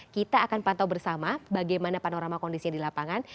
kita akan pantau bersama bagaimana panorama kondisinya di lapangan